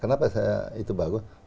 kenapa itu bagus